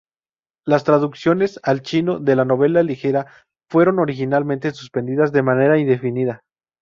Las traducciones al chino de la novela ligera fueron originalmente suspendidas de manera indefinida.